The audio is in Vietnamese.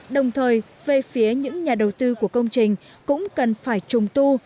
đồng thời về phía những nhà đầu tư của công trình cũng cần phải trùng tu